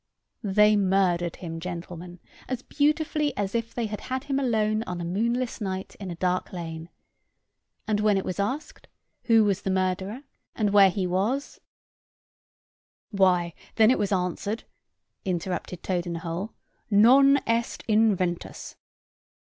They murdered him, gentlemen, as beautifully as if they had had him alone on a moonless night in a dark lane. And when it was asked, who was the murderer, and where he was" "Why, then, it was answered," interrupted Toad in the hole, "Non est inventus."